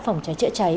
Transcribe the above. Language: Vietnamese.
phòng cháy chữa cháy